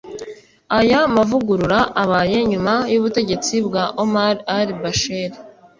aya mavugurura abaye nyuma y’ubutegetsi bwa omar al-bashir